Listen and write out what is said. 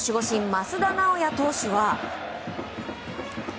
益田直也投手は。